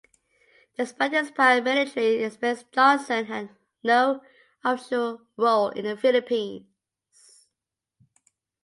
Despite his prior military experience, Johnson had no official role in the Philippines.